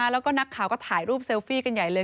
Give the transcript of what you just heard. แล้วก็นักข่าวก็ถ่ายรูปเซลฟี่กันใหญ่เลย